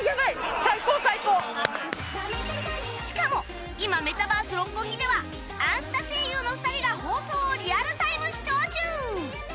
しかも今メタバース六本木では『あんスタ』声優の２人が放送をリアルタイム視聴中